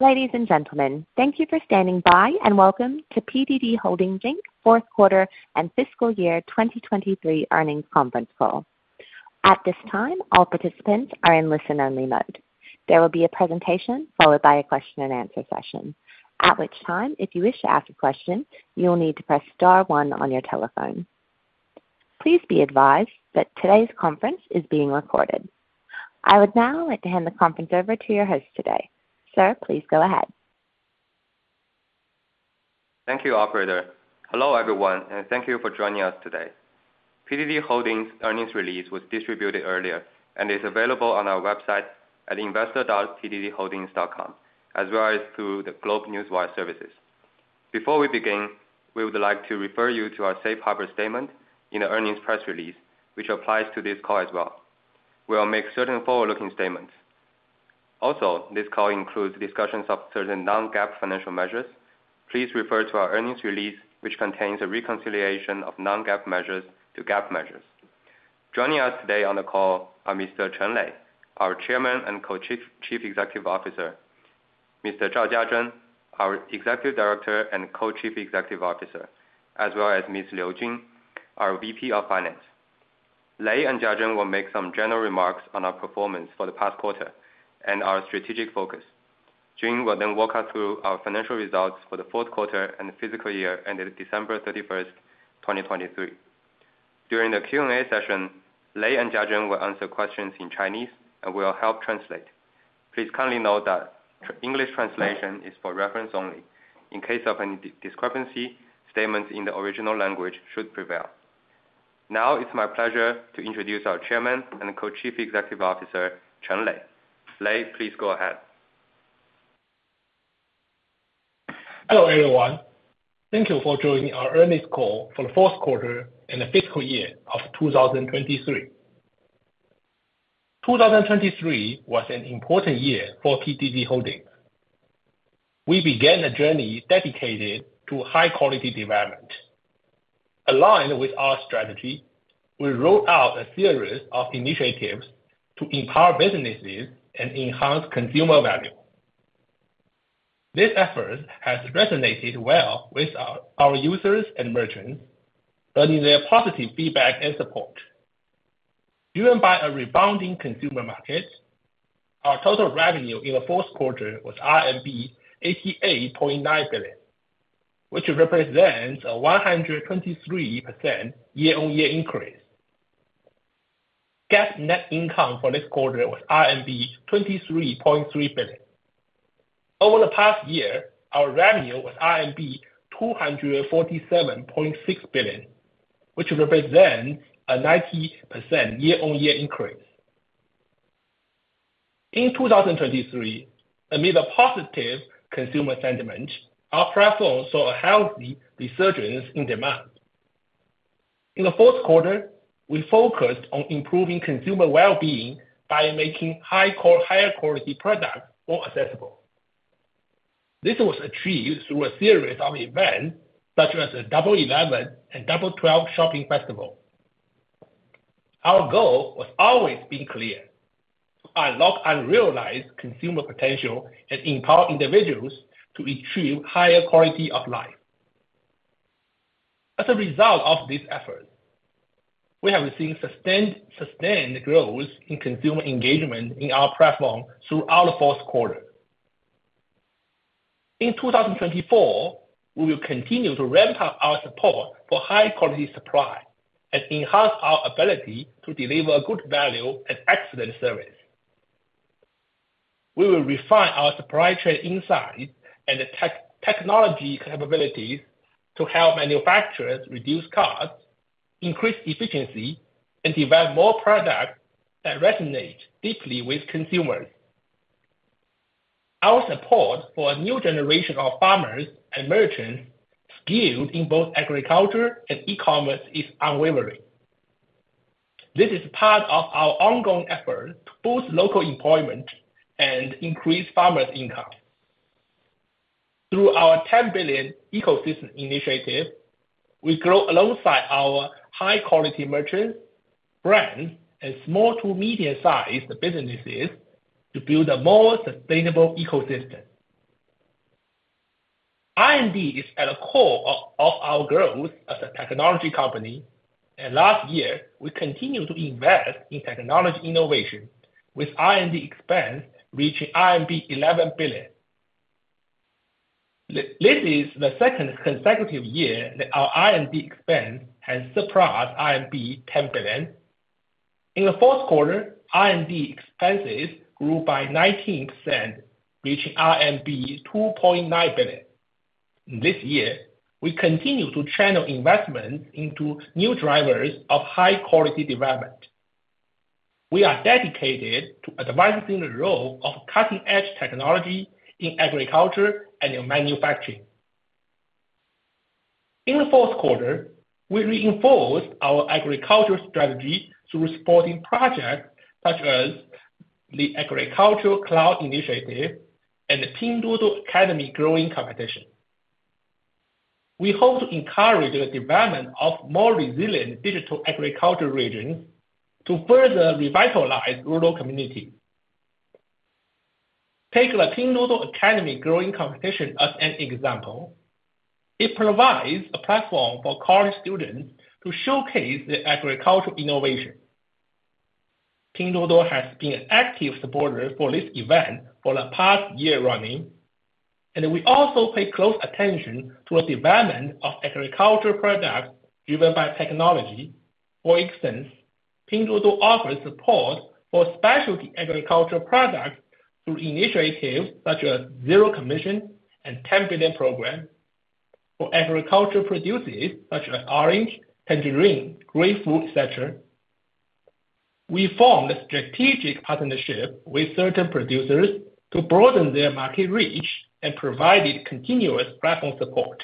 Ladies and gentlemen, thank you for standing by and welcome to PDD Holdings Inc. fourth quarter and fiscal year 2023 earnings conference call. At this time, all participants are in listen-only mode. There will be a presentation followed by a question-and-answer session, at which time if you wish to ask a question, you will need to press star 1 on your telephone. Please be advised that today's conference is being recorded. I would now like to hand the conference over to your host today. Sir, please go ahead. Thank you, operator. Hello everyone, and thank you for joining us today. PDD Holdings' earnings release was distributed earlier and is available on our website at investor.pddholdings.com, as well as through the Globe Newswire services. Before we begin, we would like to refer you to our safe harbor statement in the earnings press release, which applies to this call as well. We will make certain forward-looking statements. Also, this call includes discussions of certain non-GAAP financial measures. Please refer to our earnings release, which contains a reconciliation of non-GAAP measures to GAAP measures. Joining us today on the call are Mr. Chen Lei, our Chairman and Co-Chief Executive Officer; Mr. Zhao Jiazhen, our Executive Director and Co-Chief Executive Officer; as well as Ms. Liu Jun, our VP of Finance. Lei and Jiazhen will make some general remarks on our performance for the past quarter and our strategic focus. Jun will then walk us through our financial results for the fourth quarter and the fiscal year ending December 31st, 2023. During the Q&A session, Lei and Jiazhen will answer questions in Chinese and will help translate. Please kindly note that English translation is for reference only. In case of any discrepancy, statements in the original language should prevail. Now it's my pleasure to introduce our Chairman and Co-Chief Executive Officer, Chen Lei. Lei, please go ahead. Hello everyone. Thank you for joining our earnings call for the fourth quarter and the fiscal year of 2023. 2023 was an important year for PDD Holdings. We began a journey dedicated to high-quality development. Aligned with our strategy, we rolled out a series of initiatives to empower businesses and enhance consumer value. This effort has resonated well with our users and merchants, earning their positive feedback and support. Driven by a rebounding consumer market, our total revenue in the fourth quarter was RMB 88.9 billion, which represents a 123% year-on-year increase. GAAP net income for this quarter was RMB 23.3 billion. Over the past year, our revenue was RMB 247.6 billion, which represents a 90% year-on-year increase. In 2023, amid a positive consumer sentiment, our platform saw a healthy resurgence in demand. In the fourth quarter, we focused on improving consumer well-being by making higher-quality products more accessible. This was achieved through a series of events such as the Double 11 and Double 12 shopping festival. Our goal has always been clear: to unlock unrealized consumer potential and empower individuals to achieve higher quality of life. As a result of these efforts, we have seen sustained growth in consumer engagement in our platform throughout the fourth quarter. In 2024, we will continue to ramp up our support for high-quality supply and enhance our ability to deliver good value and excellent service. We will refine our supply chain insights and technology capabilities to help manufacturers reduce costs, increase efficiency, and develop more products that resonate deeply with consumers. Our support for a new generation of farmers and merchants skilled in both agriculture and e-commerce is unwavering. This is part of our ongoing efforts to boost local employment and increase farmers' income. Through our 10 Billion Ecosystem Initiative, we grow alongside our high-quality merchants, brands, and small to medium-sized businesses to build a more sustainable ecosystem. R&D is at the core of our growth as a technology company, and last year, we continued to invest in technology innovation, with R&D expense reaching RMB 11 billion. This is the second consecutive year that our R&D expense has surpassed RMB 10 billion. In the fourth quarter, R&D expenses grew by 19%, reaching RMB 2.9 billion. This year, we continue to channel investments into new drivers of high-quality development. We are dedicated to advancing the role of cutting-edge technology in agriculture and in manufacturing. In the fourth quarter, we reinforced our agriculture strategy through supporting projects such as the Agricultural Cloud Initiative and the Science and Technology Backyard Competition. We hope to encourage the development of more resilient digital agriculture regions to further revitalize rural communities. Take the Science and Technology Backyard Competition as an example. It provides a platform for college students to showcase their agricultural innovation. Pinduoduo has been an active supporter for this event for the past year running, and we also pay close attention to the development of agricultural products driven by technology. For instance, Pinduoduo offers support for specialty agricultural products through initiatives such as Zero Commission and the 10 Billion Program for agriculture producers such as orange, tangerine, grapefruit, etc. We formed a strategic partnership with certain producers to broaden their market reach and provided continuous platform support.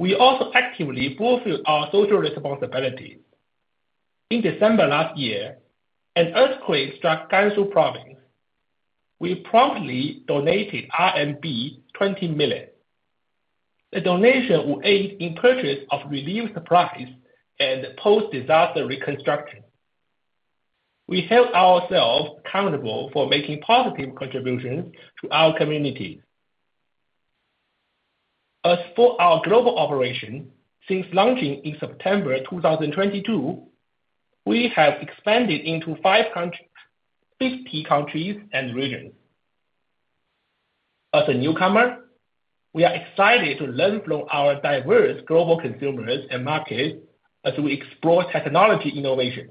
We also actively fulfilled our social responsibilities. In December last year, an earthquake struck Gansu Province. We promptly donated RMB 20 million. The donation will aid in purchase of relief supplies and post-disaster reconstruction. We held ourselves accountable for making positive contributions to our communities. As for our global operation, since launching in September 2022, we have expanded into 50 countries and regions. As a newcomer, we are excited to learn from our diverse global consumers and markets as we explore technology innovation.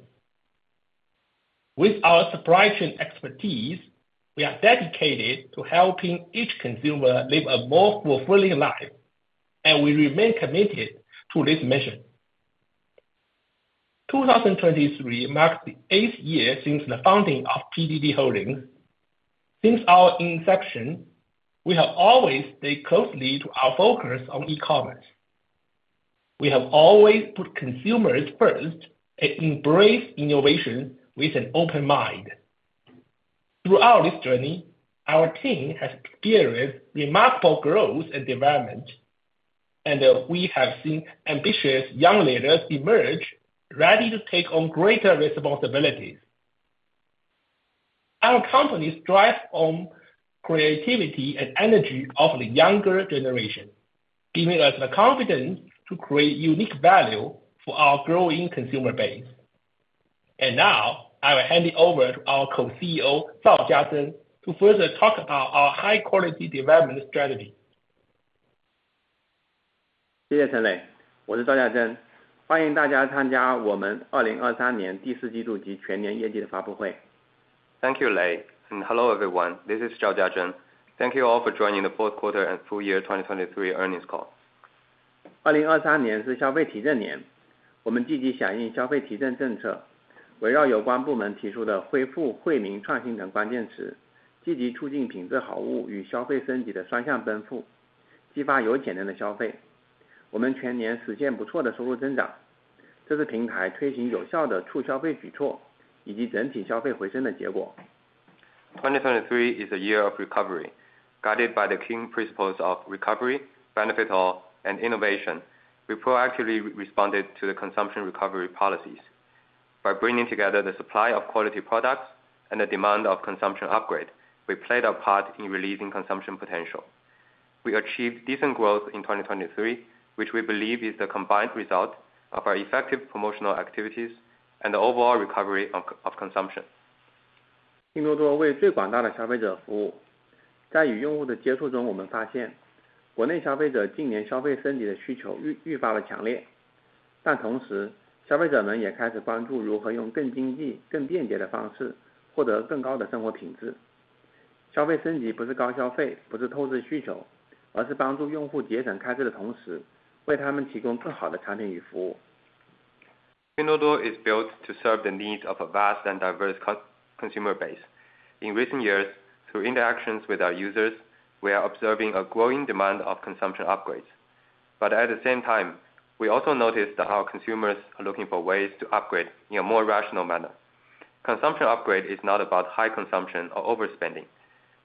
With our supply chain expertise, we are dedicated to helping each consumer live a more fulfilling life, and we remain committed to this mission. 2023 marks the eighth year since the founding of PDD Holdings. Since our inception, we have always stayed closely to our focus on e-commerce. We have always put consumers first and embraced innovation with an open mind. Throughout this journey, our team has experienced remarkable growth and development, and we have seen ambitious young leaders emerge ready to take on greater responsibilities. Our company strives on creativity and energy of the younger generation, giving us the confidence to create unique value for our growing consumer base. Now, I will hand it over to our Co-CEO, Zhao Jiazhen, to further talk about our high-quality development strategy. 谢谢陈磊。我是赵家珍。欢迎大家参加我们2023年第四季度及全年业绩的发布会。Thank you, Lei. Hello everyone. This is Zhao Jiazhen. Thank you all for joining the fourth quarter and full year 2023 earnings call. 2023年是消费提振年。我们积极响应消费提振政策，围绕有关部门提出的恢复惠民创新等关键词，积极促进品质好物与消费升级的双向奔赴，激发有潜能的消费。我们全年实现不错的收入增长，这是平台推行有效的促消费举措以及整体消费回升的结果。2023 is a year of recovery. Guided by the key principles of recovery, benefit all, and innovation, we proactively responded to the consumption recovery policies. By bringing together the supply of quality products and the demand of consumption upgrade, we played our part in releasing consumption potential. We achieved decent growth in 2023, which we believe is the combined result of our effective promotional activities and the overall recovery of consumption. Pinduoduo为最广大的消费者服务。在与用户的接触中，我们发现国内消费者近年消费升级的需求愈发强烈。但同时，消费者们也开始关注如何用更经济、更便捷的方式获得更高的生活品质。消费升级不是高消费，不是透支需求，而是帮助用户节省开支的同时，为他们提供更好的产品与服务。Pinduoduo is built to serve the needs of a vast and diverse consumer base. In recent years, through interactions with our users, we are observing a growing demand of consumption upgrades. But at the same time, we also notice that our consumers are looking for ways to upgrade in a more rational manner. Consumption upgrade is not about high consumption or overspending.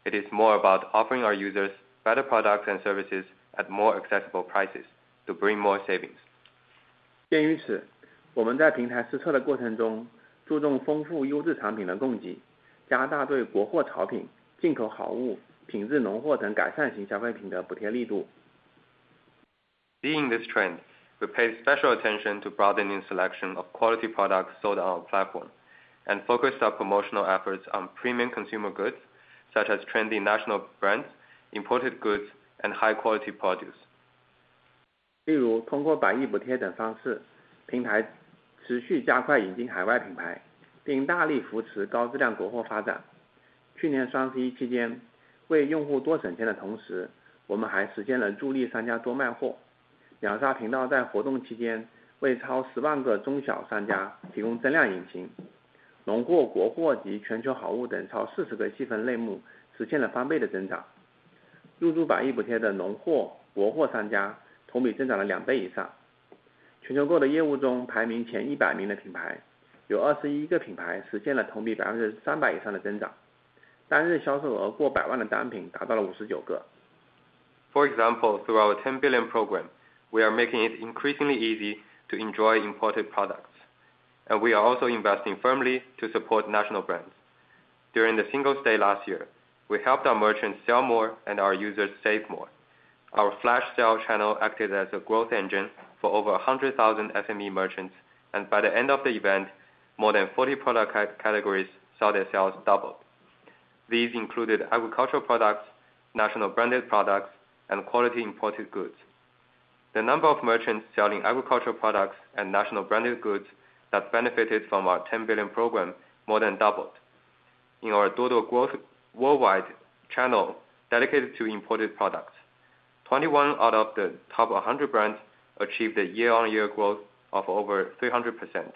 It is more about offering our users better products and services at more accessible prices to bring more savings. 鉴于此，我们在平台实测的过程中，注重丰富优质产品的供给，加大对国货潮品、进口好物、品质浓厚等改善型消费品的补贴力度。Seeing this trend, we paid special attention to broadening the selection of quality products sold on our platform and focused our promotional efforts on premium consumer goods such as trendy national brands, imported goods, and high-quality produce. For example, through our 10 Billion Program, we are making it increasingly easy to enjoy imported products. We are also investing firmly to support national brands. During Singles' Day last year, we helped our merchants sell more and our users save more. Our flash sale channel acted as a growth engine for over 100,000 SME merchants, and by the end of the event, more than 40 product categories saw their sales doubled. These included agricultural products, national branded products, and quality imported goods. The number of merchants selling agricultural products and national branded goods that benefited from our 10 Billion Program more than doubled. In our Duoduo International channel dedicated to imported products, 21 out of the top 100 brands achieved a year-on-year growth of over 300%.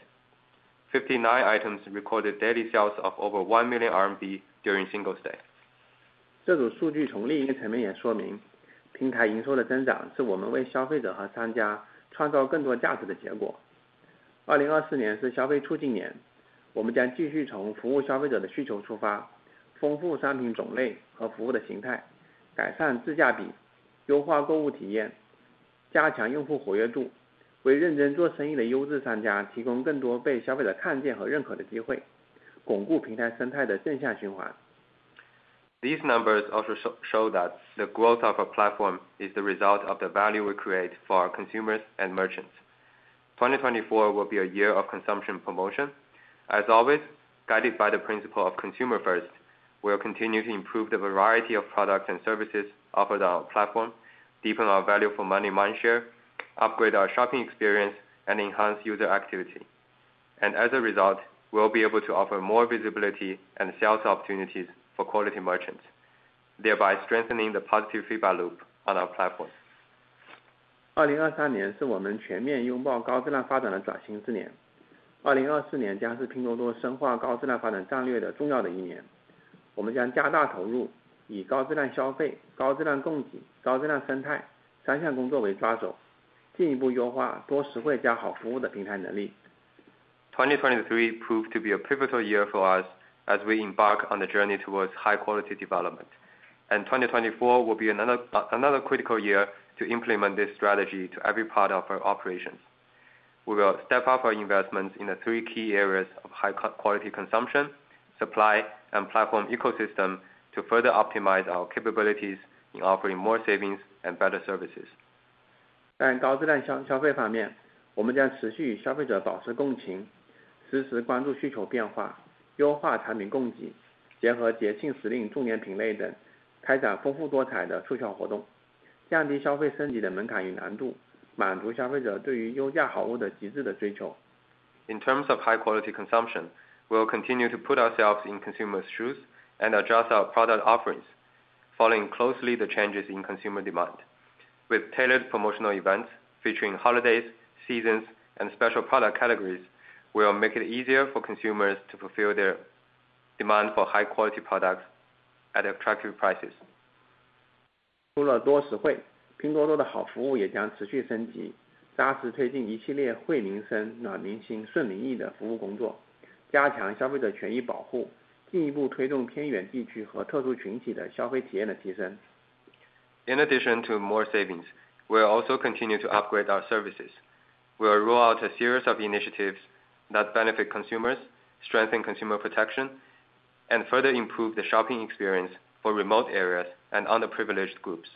59 items recorded daily sales of over 1 million RMB during Singles' Day. 这组数据从另一个层面也说明，平台营收的增长是我们为消费者和商家创造更多价值的结果。2024年是消费促进年，我们将继续从服务消费者的需求出发，丰富商品种类和服务的形态，改善自价比，优化购物体验，加强用户活跃度，为认真做生意的优质商家提供更多被消费者看见和认可的机会，巩固平台生态的正向循环。These numbers also show that the growth of our platform is the result of the value we create for our consumers and merchants. 2024 will be a year of consumption promotion. As always, guided by the principle of consumer first, we will continue to improve the variety of products and services offered on our platform, deepen our value-for-money mindshare, upgrade our shopping experience, and enhance user activity. As a result, we will be able to offer more visibility and sales opportunities for quality merchants, thereby strengthening the positive feedback loop on our platform. 2023年是我们全面拥抱高质量发展的转型之年。2024年将是拼多多深化高质量发展战略的重要的一年。我们将加大投入，以高质量消费、高质量供给、高质量生态三项工作为抓手，进一步优化多实惠加好服务的平台能力。2023 proved to be a pivotal year for us as we embark on the journey towards high-quality development. 2024 will be another critical year to implement this strategy to every part of our operations. We will step up our investments in the three key areas of high-quality consumption, supply, and platform ecosystem to further optimize our capabilities in offering more savings and better services. 在高质量消费方面，我们将持续与消费者保持共情，实时关注需求变化，优化产品供给，结合节庆时令重点品类等开展丰富多彩的促销活动，降低消费升级的门槛与难度，满足消费者对于优价好物的极致追求。In terms of high-quality consumption, we will continue to put ourselves in consumers' shoes and adjust our product offerings, following closely the changes in consumer demand. With tailored promotional events featuring holidays, seasons, and special product categories, we will make it easier for consumers to fulfill their demand for high-quality products at attractive prices. 除了多实惠，拼多多的好服务也将持续升级，扎实推进一系列惠民生、暖民心、顺民意的服务工作，加强消费者权益保护，进一步推动偏远地区和特殊群体的消费体验的提升。In addition to more savings, we will also continue to upgrade our services. We will roll out a series of initiatives that benefit consumers, strengthen consumer protection, and further improve the shopping experience for remote areas and underprivileged groups.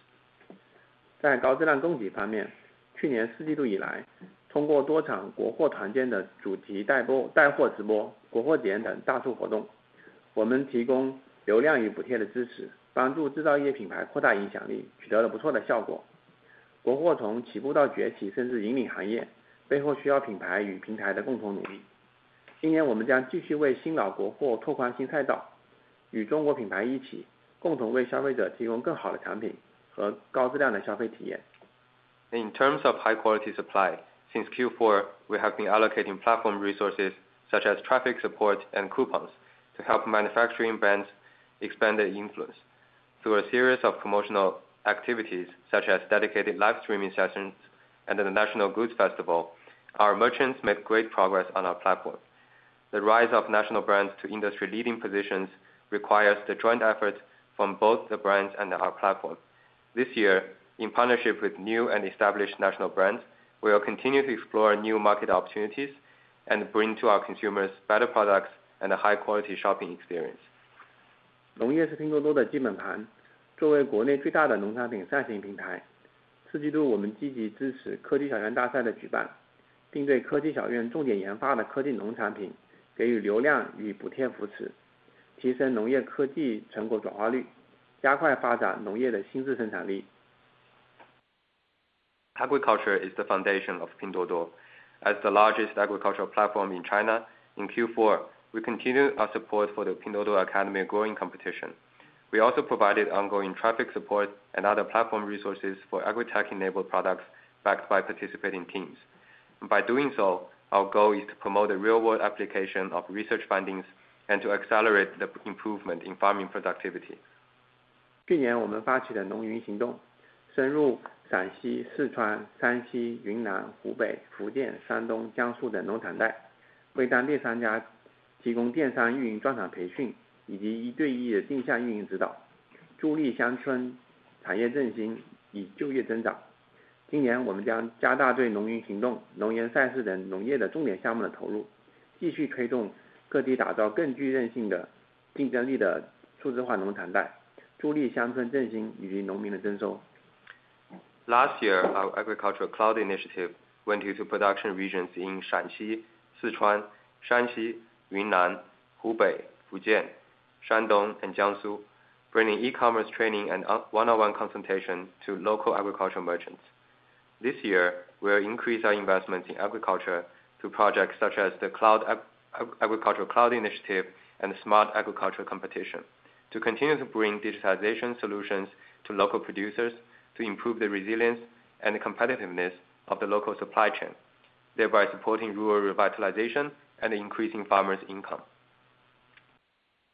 在高质量供给方面，去年四季度以来，通过多场国货团建的主题带货直播、国货节演等大促活动，我们提供流量与补贴的支持，帮助制造业品牌扩大影响力，取得了不错的效果。国货从起步到崛起，甚至引领行业，背后需要品牌与平台的共同努力。今年我们将继续为新老国货拓宽新赛道，与中国品牌一起，共同为消费者提供更好的产品和高质量的消费体验。In terms of high-quality supply, since Q4, we have been allocating platform resources such as traffic support and coupons to help manufacturing brands expand their influence. Through a series of promotional activities such as dedicated live streaming sessions and the National Goods Festival, our merchants made great progress on our platform. The rise of national brands to industry-leading positions requires the joint effort from both the brands and our platform. This year, in partnership with new and established national brands, we will continue to explore new market opportunities and bring to our consumers better products and a high-quality shopping experience. 农业是拼多多的基本盘。作为国内最大的农产品扇形平台，四季度我们积极支持科技小院大赛的举办，并对科技小院重点研发的科技农产品给予流量与补贴扶持，提升农业科技成果转化率，加快发展农业的新质生产力。Agriculture is the foundation of Pinduoduo. As the largest agricultural platform in China, in Q4, we continue our support for the Science and Technology Backyard Competition. We also provided ongoing traffic support and other platform resources for agritech-enabled products backed by participating teams. By doing so, our goal is to promote the real-world application of research findings and to accelerate the improvement in farming productivity. 去年我们发起了农云行动，深入陕西、四川、山西、云南、湖北、福建、山东、江苏等农产带，为当地商家提供电商运营专场培训，以及一对一的定向运营指导，助力乡村产业振兴与就业增长。今年我们将加大对农云行动、农研赛事等农业的重点项目的投入，继续推动各地打造更具韧性的、竞争力的数字化农产带，助力乡村振兴以及农民的增收。Last year, our Agricultural Cloud Initiative went into production regions in Shaanxi, Sichuan, Shanxi, Yunnan, Hubei, Fujian, Shandong, and Jiangsu, bringing e-commerce training and one-on-one consultation to local agriculture merchants. This year, we will increase our investments in agriculture through projects such as the Agricultural Cloud Initiative and the Smart Agriculture Competition, to continue to bring digitization solutions to local producers, to improve the resilience and competitiveness of the local supply chain, thereby supporting rural revitalization and increasing farmers' income.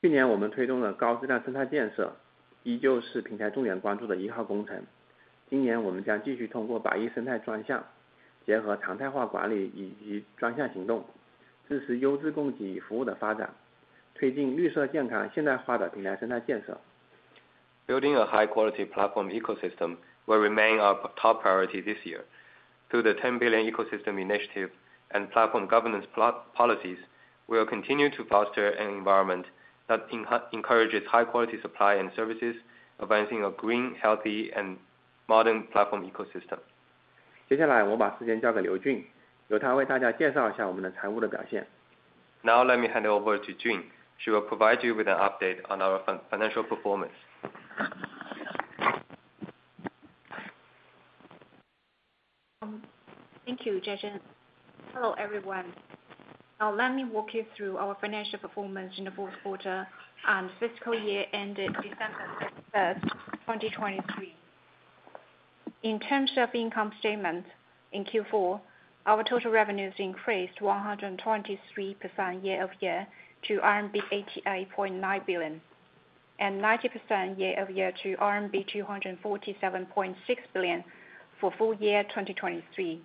去年我们推动了高质量生态建设，依旧是平台重点关注的一号工程。今年我们将继续通过百亿生态专项，结合常态化管理以及专项行动，支持优质供给与服务的发展，推进绿色健康现代化的平台生态建设。Building a high-quality platform ecosystem will remain our top priority this year. Through the 10 Billion Ecosystem Initiative and platform governance policies, we will continue to foster an environment that encourages high-quality supply and services, advancing a green, healthy, and modern platform ecosystem. 接下来我把时间交给刘俊，由他为大家介绍一下我们的财务的表现。Now let me hand over to Jun. She will provide you with an update on our financial performance. Thank you, Jiazhen. Hello, everyone. Let me walk you through our financial performance in the fourth quarter, and fiscal year ended December 31st, 2023. In terms of income statement in Q4, our total revenues increased 123% year-over-year to RMB 88.9 billion, and 90% year-over-year to RMB 247.6 billion for full year 2023.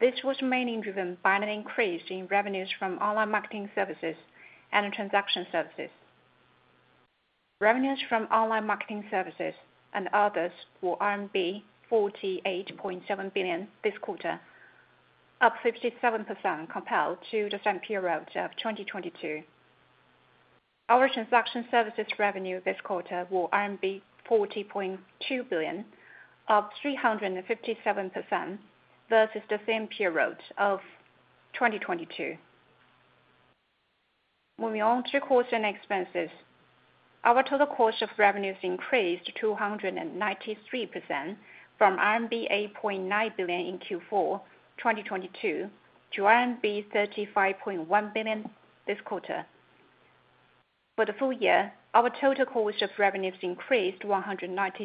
This was mainly driven by an increase in revenues from online marketing services and transaction services. Revenues from online marketing services and others were RMB 48.7 billion this quarter, up 57% compared to the same period of 2022. Our transaction services revenue this quarter was RMB 40.2 billion, up 357% versus the same period of 2022. Moving on to quarterly expenses, our total cost of revenues increased 293% from RMB 8.9 billion in Q4 2022 to RMB 35.1 billion this quarter. For the full year, our total cost of revenues increased 192%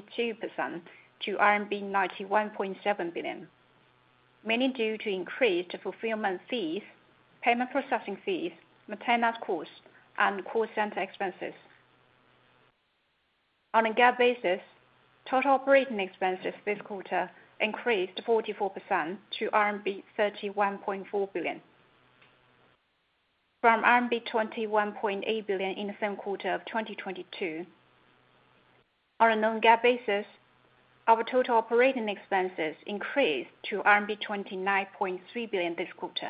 to RMB 91.7 billion, mainly due to increased fulfillment fees, payment processing fees, marketing costs, and call center expenses. On a GAAP basis, total operating expenses this quarter increased 44% to RMB 31.4 billion from RMB 21.8 billion in the same quarter of 2022. On a non-GAAP basis, our total operating expenses increased to RMB 29.3 billion this quarter,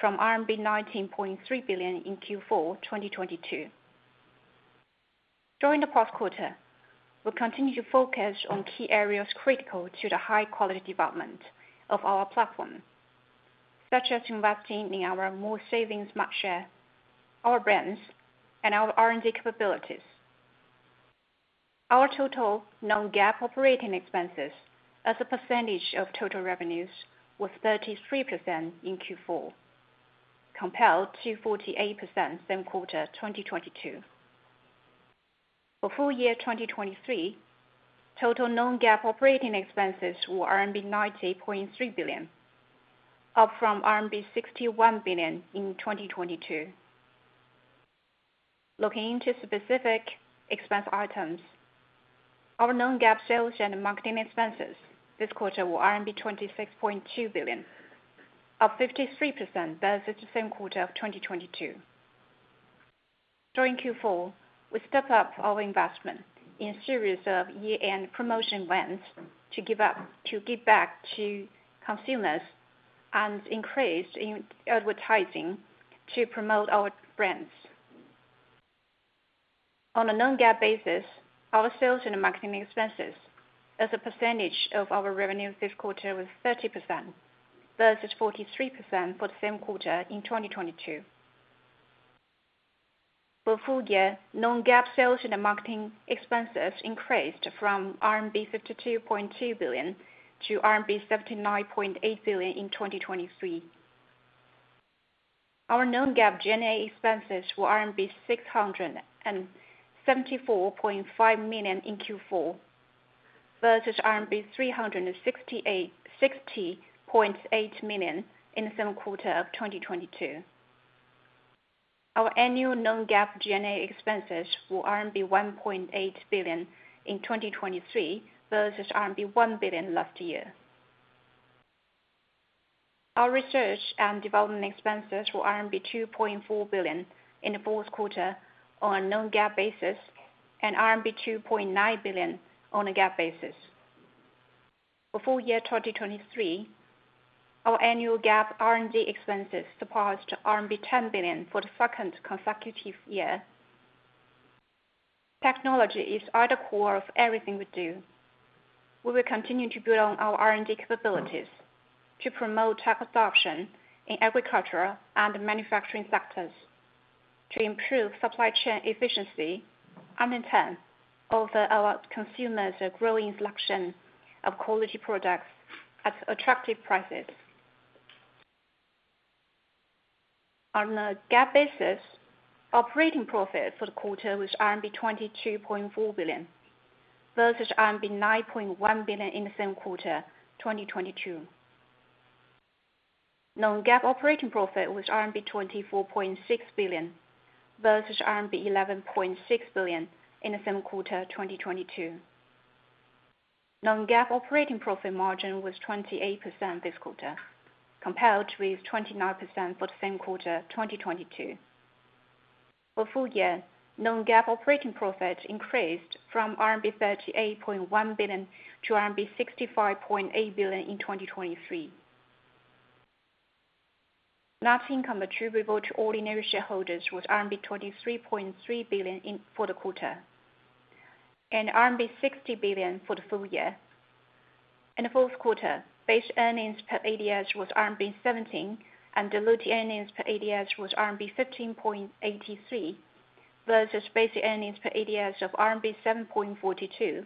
from RMB 19.3 billion in Q4 2022. During the past quarter, we continued to focus on key areas critical to the high-quality development of our platform, such as investing in our users' savings mindset, our brands, and our R&D capabilities. Our total non-GAAP operating expenses, as a percentage of total revenues, was 33% in Q4, compared to 48% same quarter 2022. For full year 2023, total non-GAAP operating expenses were RMB 90.3 billion, up from RMB 61 billion in 2022. Looking into specific expense items, our non-GAAP sales and marketing expenses this quarter were RMB 26.2 billion, up 53% versus the same quarter of 2022. During Q4, we stepped up our investment in a series of year-end promotion events to give back to consumers and increased in advertising to promote our brands. On a non-GAAP basis, our sales and marketing expenses, as a percentage of our revenue this quarter, were 30% versus 43% for the same quarter in 2022. For full year, non-GAAP sales and marketing expenses increased from RMB 52.2 billion to RMB 79.8 billion in 2023. Our non-GAAP G&A expenses were RMB 674.5 million in Q4, versus RMB 360.8 million in the same quarter of 2022. Our annual non-GAAP G&A expenses were RMB 1.8 billion in 2023, versus RMB 1 billion last year. Our research and development expenses were RMB 2.4 billion in the fourth quarter on a non-GAAP basis, and RMB 2.9 billion on a GAAP basis. For full year 2023, our annual GAAP R&D expenses surpassed RMB 10 billion for the second consecutive year. Technology is at the core of everything we do. We will continue to build on our R&D capabilities to promote tech adoption in agriculture and manufacturing sectors, to improve supply chain efficiency, and in turn, offer our consumers are growing selection of quality products at attractive prices. On a GAAP basis, operating profit for the quarter was RMB 22.4 billion, versus RMB 9.1 billion in the same quarter 2022. Non-GAAP operating profit was RMB 24.6 billion, versus RMB 11.6 billion in the same quarter 2022. Non-GAAP operating profit margin was 28% this quarter, compared with 29% for the same quarter 2022. For full year, non-GAAP operating profit increased from RMB 38.1 billion to RMB 65.8 billion in 2023. Net income attributable to ordinary shareholders was RMB 23.3 billion for the quarter, and RMB 60 billion for the full year. In the fourth quarter, basic earnings per ADS was RMB 17, and diluted earnings per ADS was RMB 15.83, versus basic earnings per ADS of RMB 7.42,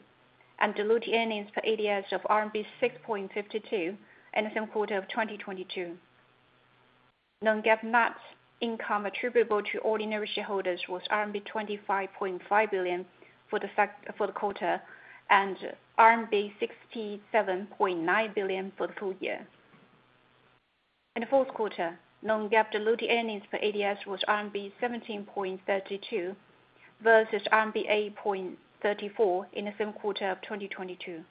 and diluted earnings per ADS of RMB 6.52 in the same quarter of 2022. Non-GAAP net income attributable to ordinary shareholders was RMB 25.5 billion for the quarter, and RMB 67.9 billion for the full year. In the fourth quarter, non-GAAP diluted earnings per ADS was RMB 17.32, versus RMB 8.34 in the same quarter of 2022.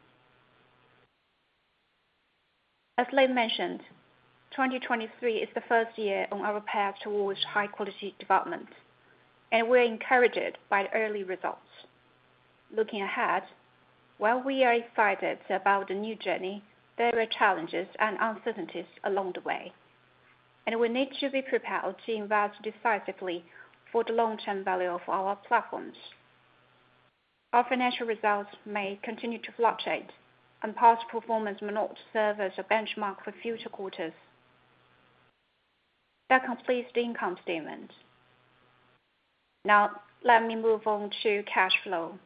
As I mentioned, 2023 is the first year on our path towards high-quality development, and we are encouraged by the early results. Looking ahead, while we are excited about the new journey, there are challenges and uncertainties along the way, and we need to be prepared to invest decisively for the long-term value of our platforms. Our financial results may continue to fluctuate, and past performance may not serve as a benchmark for future quarters. That completes the income statement. Now, let me move on to cash flow.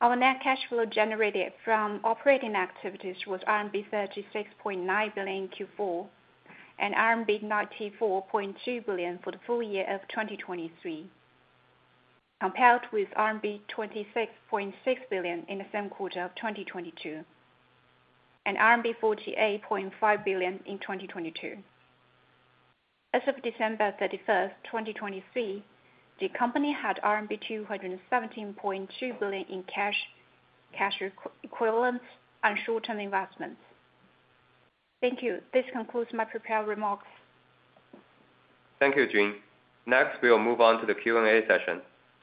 Our net cash flow generated from operating activities was RMB 36.9 billion in Q4, and RMB 94.2 billion for the full year of 2023, compared with RMB 26.6 billion in the same quarter of 2022, and RMB 48.5 billion in 2022. As of December 31st, 2023, the company had RMB 217.2 billion in cash and cash equivalents and short-term investments. Thank you. This concludes my prepared remarks. Thank you, Jun. Next, we will move on to the Q&A session.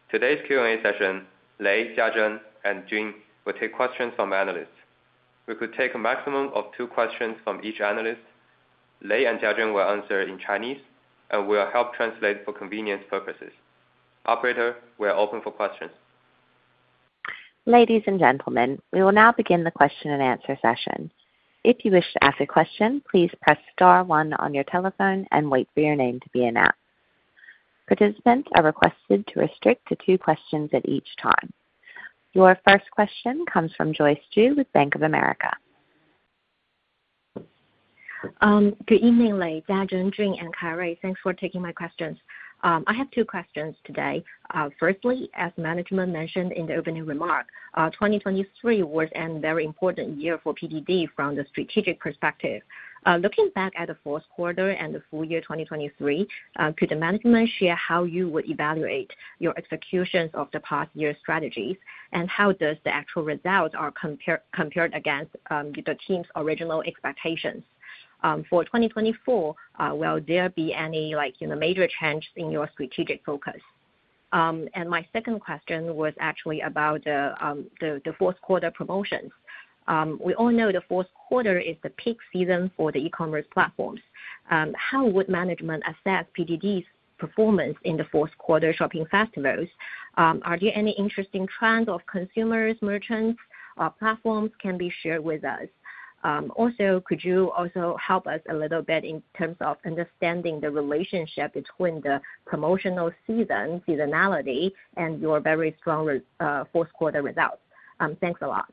Today's Q&A session, Lei, Jiazhen, and Jun will take questions from analysts. We could take a maximum of two questions from each analyst. Lei and Jiazhen will answer in Chinese, and we will help translate for convenience purposes. Operator, we are open for questions. Ladies and gentlemen, we will now begin the question and answer session. If you wish to ask a question, please press star one on your telephone and wait for your name to be announced. Participants are requested to restrict to two questions at each time. Your first question comes from Joyce Ju with Bank of America. Good evening, Lei, Jiazhen, Jun, and Kairay. Thanks for taking my questions. I have two questions today. First, as management mentioned in the opening remark, 2023 was a very important year for PDD from the strategic perspective. Looking back at the fourth quarter and the full year 2023, could the management share how you would evaluate your executions of the past year's strategies, and how does the actual results are compared against the team's original expectations? For 2024, will there be any major changes in your strategic focus? My second question was actually about the fourth quarter promotions. We all know the fourth quarter is the peak season for the e-commerce platforms. How would management assess PDD's performance in the fourth quarter shopping festivals? Are there any interesting trends of consumers, merchants, or platforms that can be shared with us? Also, could you also help us a little bit in terms of understanding the relationship between the promotional season, seasonality, and your very strong fourth quarter results? Thanks a lot.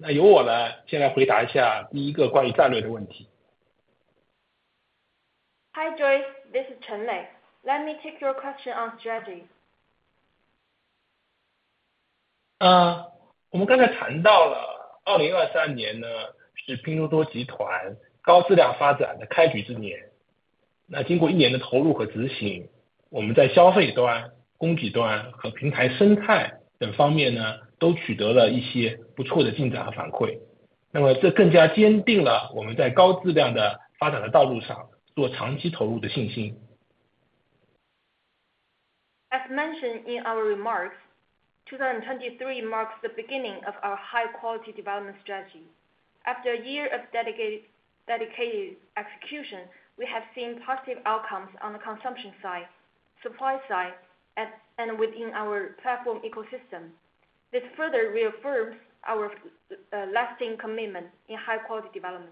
Joyce你好，我是陈磊。那由我来先来回答一下第一个关于战略的问题。Chen Lei. Let me take your question on strategy. 我们刚才谈到了2023年是拼多多集团高质量发展的开局之年。那经过一年的投入和执行，我们在消费端、供给端和平台生态等方面都取得了一些不错的进展和反馈。那么这更加坚定了我们在高质量的发展的道路上做长期投入的信心。As mentioned in our remarks, 2023 marks the beginning of our high-quality development strategy. After a year of dedicated execution, we have seen positive outcomes on the consumption side, supply side, and within our platform ecosystem. This further reaffirms our lasting commitment in high-quality development.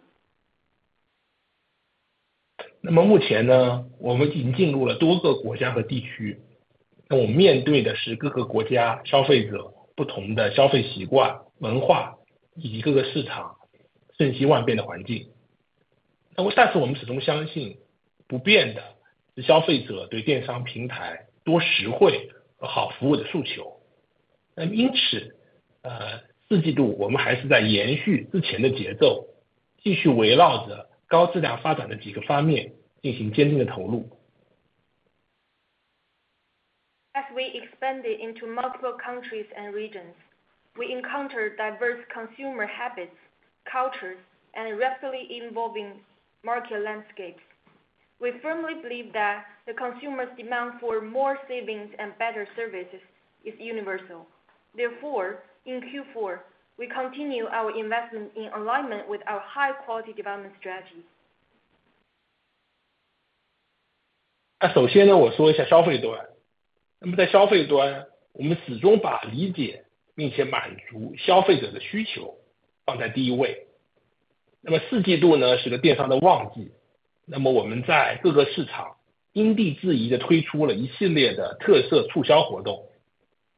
那么目前我们已经进入了多个国家和地区。那我们面对的是各个国家消费者不同的消费习惯、文化以及各个市场瞬息万变的环境。但是我们始终相信不变的是消费者对电商平台多实惠和好服务的诉求。那因此四季度我们还是在延续之前的节奏，继续围绕着高质量发展的几个方面进行坚定的投入。As we expanded into multiple countries and regions, we encountered diverse consumer habits, cultures, and rapidly evolving market landscapes. We firmly believe that the consumer's demand for more savings and better services is universal. Therefore, in Q4, we continue our investment in alignment with our high-quality development strategy.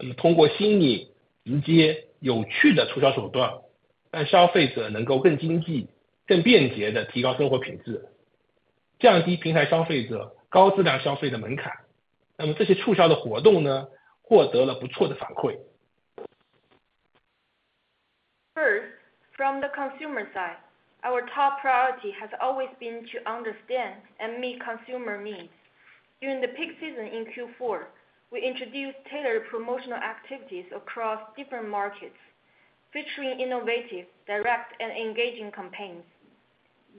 首先我说一下消费端。那么在消费端，我们始终把理解并且满足消费者的需求放在第一位。那么四季度是个电商的旺季。那么我们在各个市场因地制宜地推出了一系列的特色促销活动。那么通过新颖、直接、有趣的促销手段，让消费者能够更经济、更便捷地提高生活品质，降低平台消费者高质量消费的门槛。那么这些促销的活动获得了不错的反馈。First, from the consumer side, our top priority has always been to understand and meet consumer needs. During the peak season in Q4, we introduced tailored promotional activities across different markets, featuring innovative, direct, and engaging campaigns.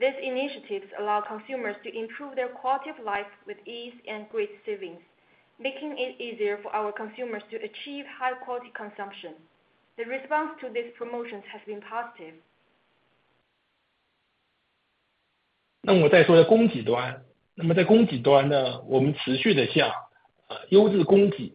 These initiatives allow consumers to improve their quality of life with ease and great savings, making it easier for our consumers to achieve high-quality consumption. The response to these promotions has been positive. 那我再说一下供给端。那么在供给端，我们持续地向优质供给和优质商家做平台资源的倾斜，将更多优质的产品提供给消费者。我们帮助商家提升产量、提高周转效率、降低经营成本、减少产品浪费，反过来进一步地降低了产品的价格，形成良性的循环。On the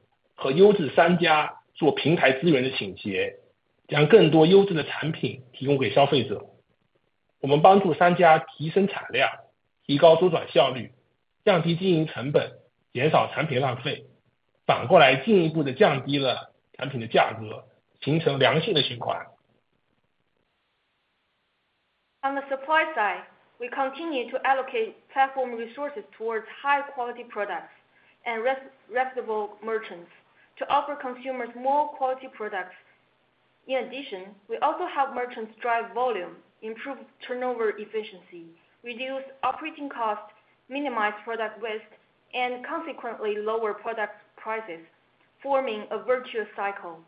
supply side, we continue to allocate platform resources towards high-quality products and reputable merchants to offer consumers more quality products. In addition, we also help merchants drive volume, improve turnover efficiency, reduce operating costs, minimize product waste, and consequently lower product prices, forming a virtuous cycle.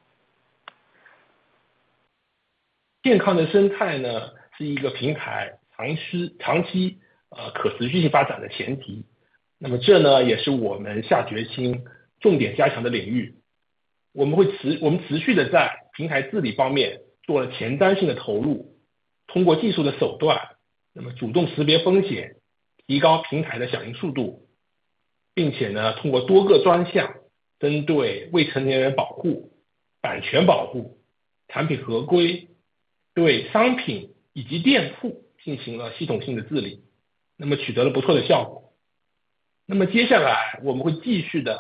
A healthy ecosystem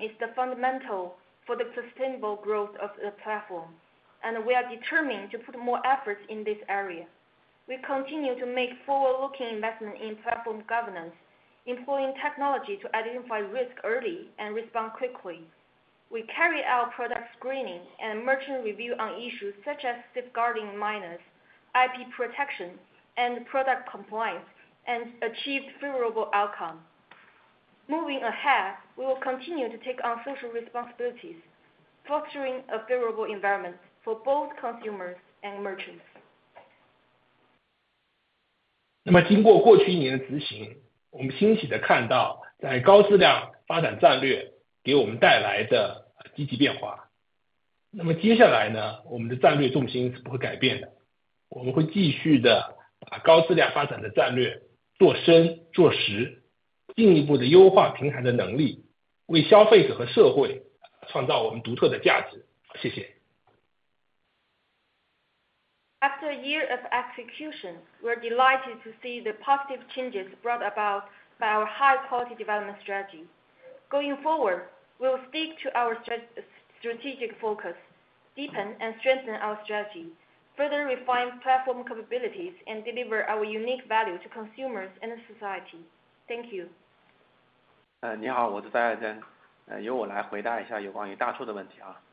is fundamental for the sustainable growth of the platform, and we are determined to put more efforts in this area. We continue to make forward-looking investments in platform governance, employing technology to identify risk early and respond quickly. We carry out product screening and merchant review on issues such as safeguarding miners, IP protection, and product compliance, and achieve favorable outcomes. Moving ahead, we will continue to take on social responsibilities, fostering a favorable environment for both consumers and merchants. After a year of execution, we're delighted to see the positive changes brought about by our high-quality development strategy. Going forward, we will stick to our strategic focus, deepen and strengthen our strategy, further refine platform capabilities, and deliver our unique value to consumers and society. Thank you. 你好，我是赵家珍。由我来回答一下有关于大促的问题。Hi, this is Zhao Jiazhen. Let me take your question on shopping festivals. 在去年Double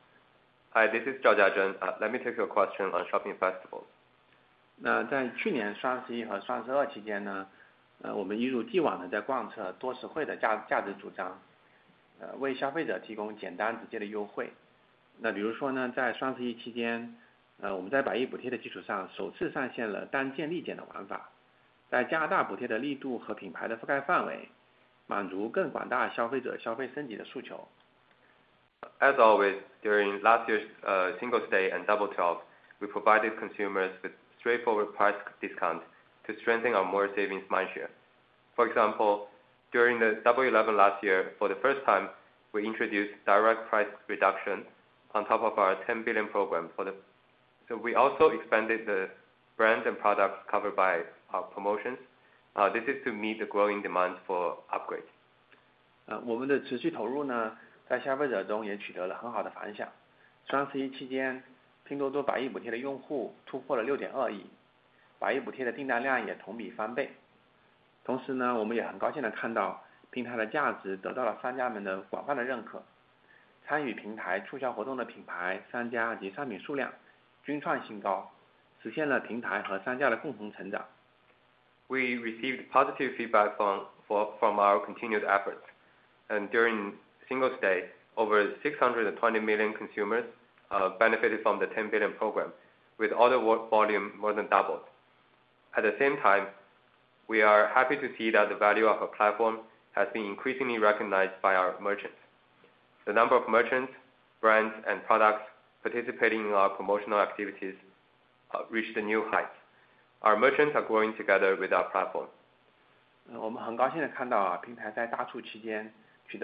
As always, during last year's Double 11 and Double 12, we provided consumers with straightforward price discounts to strengthen our more savings mindset. For example, during the Double 11 last year, for the first time, we introduced direct price reduction on top of our 10 Billion Program. So we also expanded the brand and products covered by our promotions. This is to meet the growing demands for upgrades. 我们的持续投入在消费者中也取得了很好的反响。Double 11期间，拼多多百亿补贴的用户突破了620 million，百亿补贴的订单量也同比翻倍。同时我们也很高兴地看到平台的价值得到了商家们的广泛认可。参与平台促销活动的品牌、商家及商品数量均创新高，实现了平台和商家的共同成长。We received positive feedback from our continued efforts. During Double 11, over 620 million consumers benefited from the 10 Billion Program, with order volume more than doubled. At the same time, we are happy to see that the value of our platform has been increasingly recognized by our merchants. The number of merchants, brands, and products participating in our promotional activities reached a new height. Our merchants are growing together with our platform. 我们很高兴地看到平台在大促期间取得了良好的市场反馈。但是我们还是更关注平台长期能力的建设，满足消费者对于低价好物全年不间断的需求。And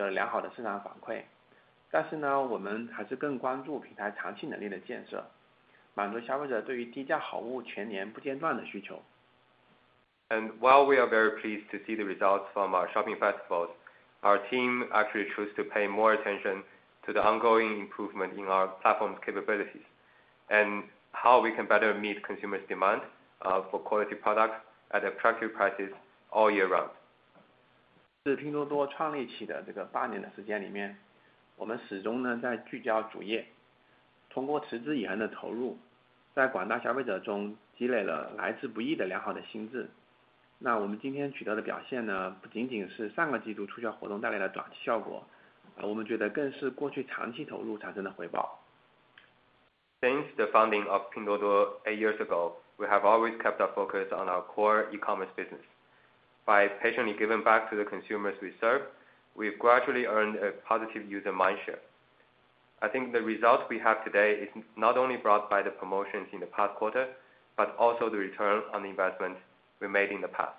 while we are very pleased to see the results from our shopping festivals, our team actually chose to pay more attention to the ongoing improvement in our platform's capabilities and how we can better meet consumers' demand for quality products at attractive prices all year round. 在拼多多创立起的这个八年的时间里面，我们始终在聚焦主业。通过持之以恒的投入，在广大消费者中积累了来之不易的良好心志。那我们今天取得的表现，不仅仅是上个季度促销活动带来的短期效果，我们觉得更是过去长期投入产生的回报。Since the founding of Pinduoduo eight years ago, we have always kept our focus on our core e-commerce business. By patiently giving back to the consumers we serve, we've gradually earned a positive user mindset. I think the result we have today is not only brought by the promotions in the past quarter, but also the return on the investment we made in the past.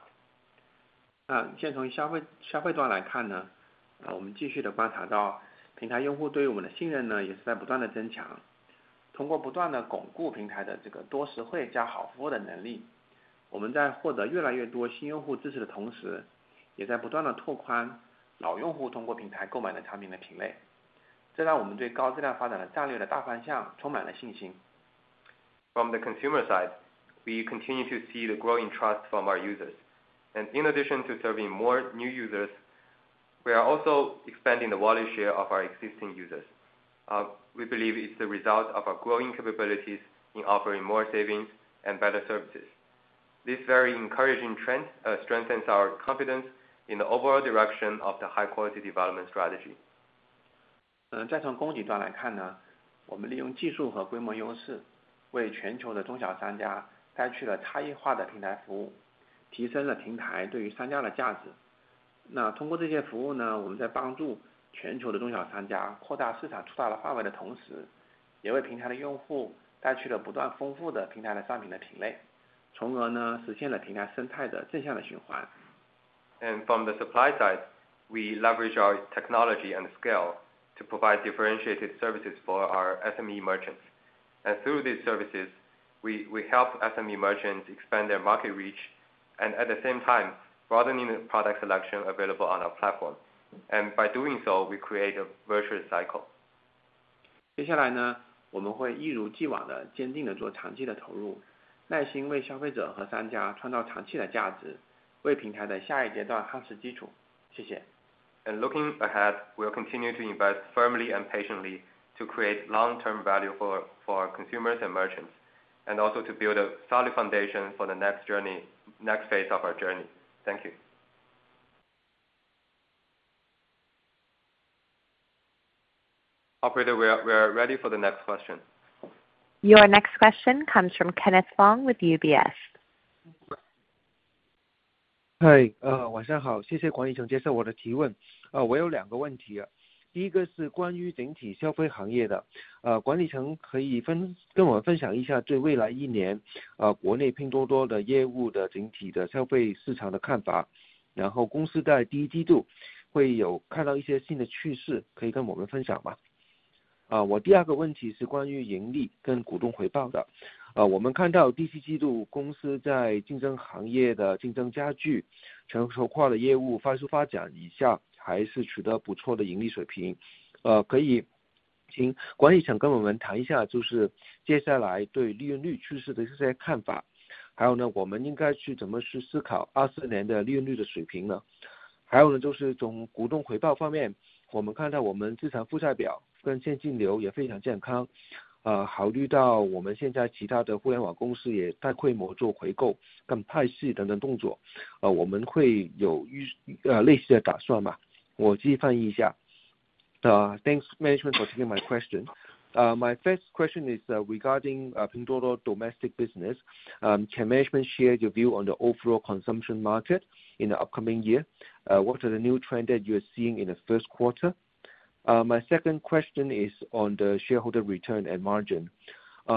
现在从消费端来看，我们继续地观察到平台用户对于我们的信任也是在不断地增强。通过不断地巩固平台的多实惠加好服务的能力，我们在获得越来越多新用户支持的同时，也在不断地拓宽老用户通过平台购买的产品的品类。这让我们对高质量发展的战略的大方向充满了信心。From the consumer side, we continue to see the growing trust from our users. In addition to serving more new users, we are also expanding the wallet share of our existing users. We believe it's the result of our growing capabilities in offering more savings and better services. This very encouraging trend strengthens our confidence in the overall direction of the high-quality development strategy. 再从供给端来看，我们利用技术和规模优势，为全球的中小商家带去了差异化的平台服务，提升了平台对于商家的价值。那通过这些服务，我们在帮助全球的中小商家扩大市场触达的范围的同时，也为平台的用户带去了不断丰富的平台的商品的品类，从而实现了平台生态的正向循环。From the supply side, we leverage our technology and scale to provide differentiated services for our SME merchants. Through these services, we help SME merchants expand their market reach and at the same time broadening the product selection available on our platform. By doing so, we create a virtuous cycle. 接下来我们会一如既往地坚定地做长期的投入，耐心为消费者和商家创造长期的价值，为平台的下一阶段夯实基础。谢谢。Looking ahead, we will continue to invest firmly and patiently to create long-term value for our consumers and merchants, and also to build a solid foundation for the next phase of our journey. Thank you. Operator, we are ready for the next question. Your next question comes from Kenneth Fong with UBS. Thanks, management, for taking my question. My first question is regarding Pinduoduo domestic business. Can management share your view on the overall consumption market in the upcoming year? What are the new trends that you are seeing in the first quarter? My second question is on the shareholder return and margin.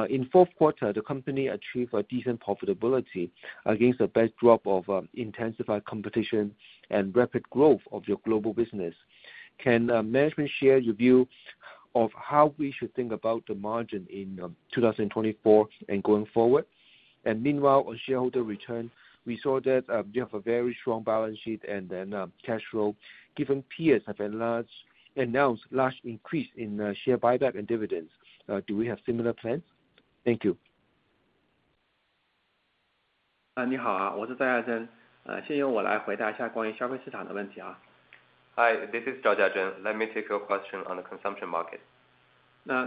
In fourth quarter, the company achieved a decent profitability against a backdrop of intensified competition and rapid growth of your global business. Can management share your view of how we should think about the margin in 2024 and going forward? And meanwhile, on shareholder return, we saw that you have a very strong balance sheet and then cash flow. Given peers have announced large increase in share buyback and dividends, do we have similar plans? Thank you. 你好，我是赵佳臻。先由我来回答一下关于消费市场的问题。Hi, this is Zhao Jiazhen. Let me take your question on the consumption market.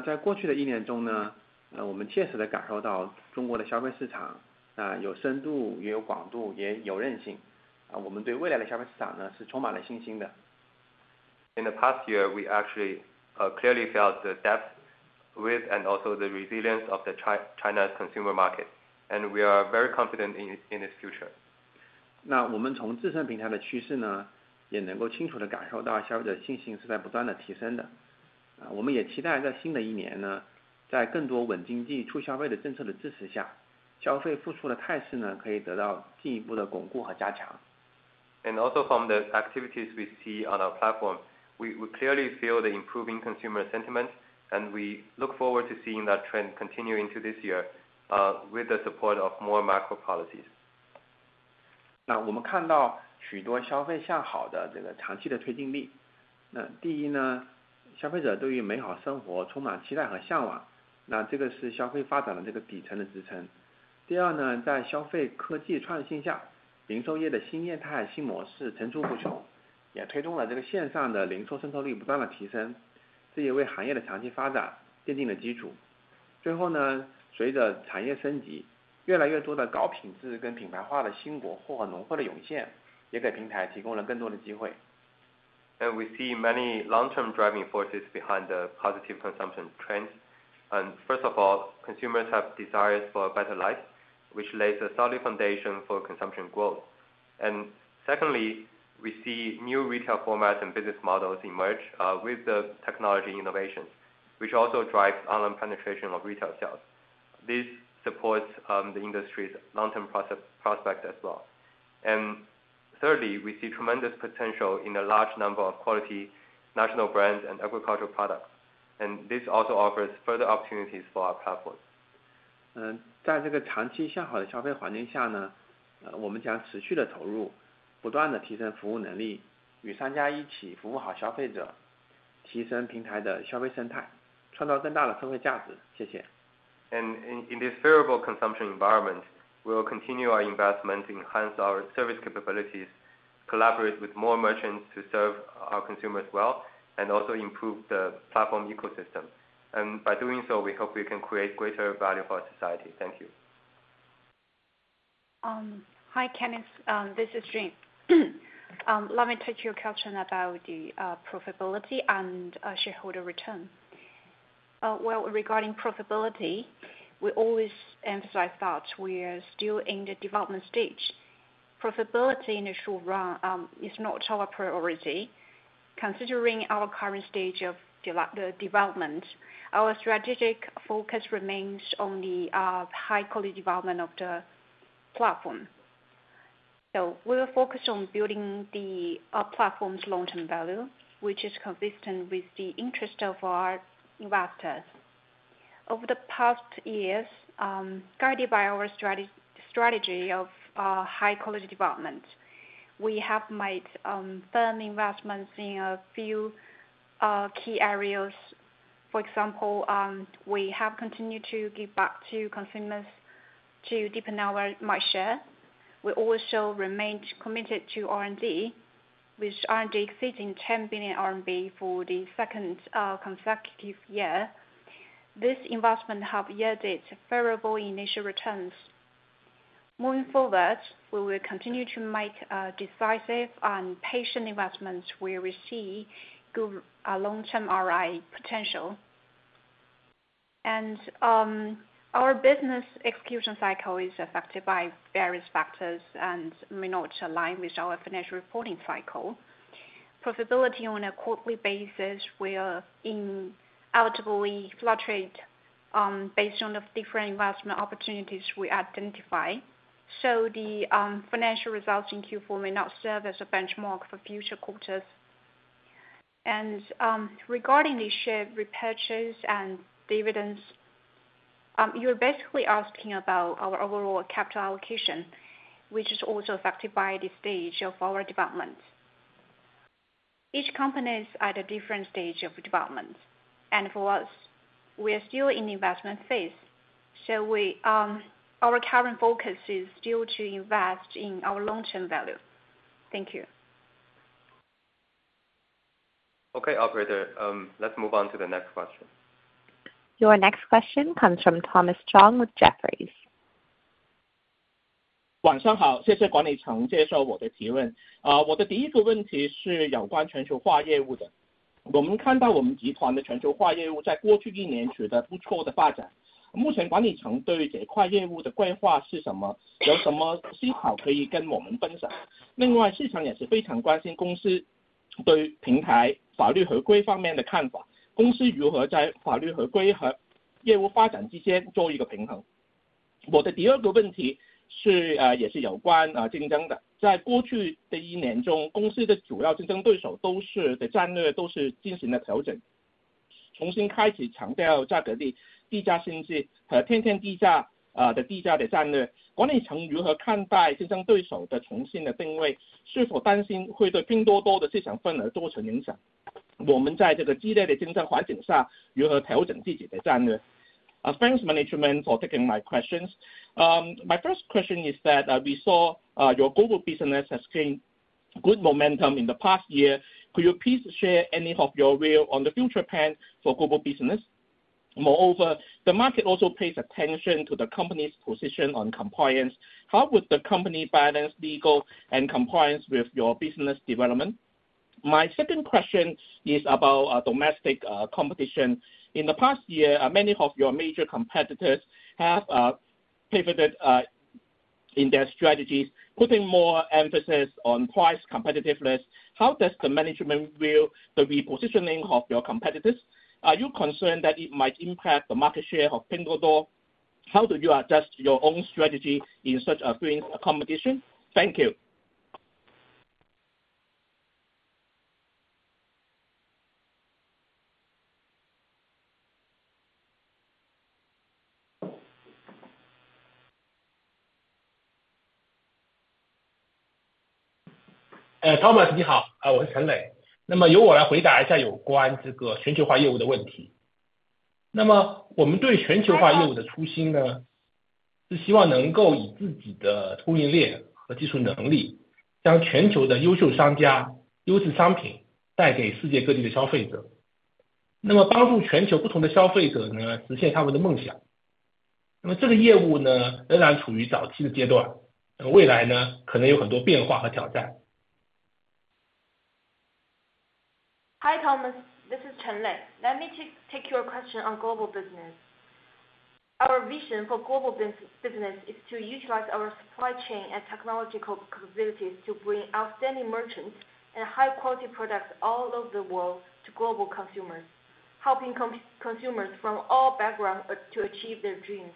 在过去的一年中，我们切实地感受到中国的消费市场有深度，也有广度，也有韧性。我们对未来的消费市场是充满了信心的。In the past year, we actually clearly felt the depth, width, and also the resilience of China's consumer market. We are very confident in its future. 我们从自身平台的趋势也能够清楚地感受到消费者信心是在不断地提升的。我们也期待在新的一年，在更多稳经济促消费的政策的支持下，消费复苏的态势可以得到进一步的巩固和加强。Also from the activities we see on our platform, we clearly feel the improving consumer sentiment, and we look forward to seeing that trend continue into this year with the support of more macro policies. 我们看到许多消费向好的长期的推进力。第一，消费者对于美好生活充满期待和向往，这个是消费发展的底层的支撑。第二，在消费科技创新下，零售业的新业态、新模式层出不穷，也推动了线上的零售渗透率不断地提升。这也为行业的长期发展奠定了基础。最后，随着产业升级，越来越多的高品质跟品牌化的新国货和农货的涌现，也给平台提供了更多的机会。We see many long-term driving forces behind the positive consumption trends. First of all, consumers have desires for a better life, which lays a solid foundation for consumption growth. Secondly, we see new retail formats and business models emerge with the technology innovations, which also drive online penetration of retail sales. This supports the industry's long-term prospects as well. And thirdly, we see tremendous potential in a large number of quality national brands and agricultural products. And this also offers further opportunities for our platform. 在长期向好的消费环境下，我们将持续地投入，不断地提升服务能力，与商家一起服务好消费者，提升平台的消费生态，创造更大的社会价值。谢谢。And in this favorable consumption environment, we will continue our investment, enhance our service capabilities, collaborate with more merchants to serve our consumers well, and also improve the platform ecosystem. And by doing so, we hope we can create greater value for our society. Thank you. Hi, Kenneth. This is Jun. Let me take your question about the profitability and shareholder return. Well, regarding profitability, we always emphasize that we are still in the development stage. Profitability in the short run is not our priority. Considering our current stage of development, our strategic focus remains on the high-quality development of the platform. So we will focus on building the platform's long-term value, which is consistent with the interest of our investors. Over the past years, guided by our strategy of high-quality development, we have made firm investments in a few key areas. For example, we have continued to give back to consumers to deepen our market share. We also remained committed to R&D, with R&D exceeding CNY 10 billion for the second consecutive year. This investment has yielded favorable initial returns. Moving forward, we will continue to make decisive and patient investments where we see good long-term ROI potential. Our business execution cycle is affected by various factors and may not align with our financial reporting cycle. Profitability on a quarterly basis will inevitably fluctuate based on the different investment opportunities we identify. The financial results in Q4 may not serve as a benchmark for future quarters. Regarding the share repurchase and dividends, you are basically asking about our overall capital allocation, which is also affected by the stage of our development. Each company is at a different stage of development. And for us, we are still in the investment phase. So our current focus is still to invest in our long-term value. Thank you. Okay, Operator. Let's move on to the next question. Your next question comes from Thomas Chong with Jefferies. Thanks management for taking my questions. My first question is that we saw your global business has gained good momentum in the past year. Could you please share any of your views on the future plan for global business? Moreover, the market also pays attention to the company's position on compliance. How would the company balance legal and compliance with your business development? My second question is about domestic competition. In the past year, many of your major competitors have pivoted in their strategies, putting more emphasis on price competitiveness. How does the management view the repositioning of your competitors? Are you concerned that it might impact the market share of Pinduoduo? How do you adjust your own strategy in such a fierce competition? Thank you. Thomas, 你好，我是陈磊。由我来回答一下有关全球化业务的问题。我们对全球化业务的初心呢，是希望能够以自己的供应链和技术能力，将全球的优秀商家、优质商品带给世界各地的消费者。帮助全球不同的消费者呢，实现他们的梦想。这个业务呢，仍然处于早期的阶段，未来呢，可能有很多变化和挑战。Hi Thomas, this is Chen Lei. Let me take your question on global business. Our vision for global business is to utilize our supply chain and technological capabilities to bring outstanding merchants and high-quality products all over the world to global consumers, helping consumers from all backgrounds to achieve their dreams.